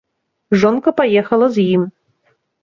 Жонка паехала з ім.